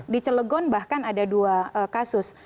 di celegon bahkan ada dua kasus